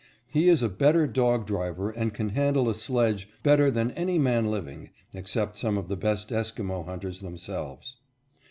He is a better dog driver and can handle a sledge better than any man living, except some of the best Esquimo hunters themselves."